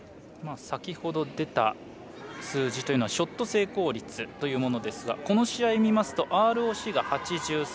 先ほど出た数字というのはショット成功率というものですがこの試合、見ますとＲＯＣが８３％。